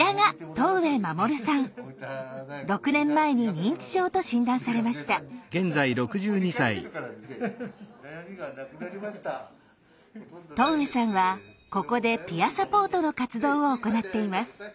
戸上さんはここでピアサポートの活動を行っています。